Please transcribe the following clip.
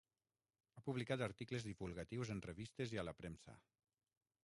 Ha publicat articles divulgatius en revistes i a la premsa.